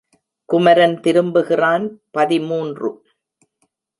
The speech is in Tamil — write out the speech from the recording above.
குமரன் திரும்புகிறான் பதிமூன்று.